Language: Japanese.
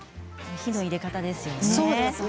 火の入れ方ですよね。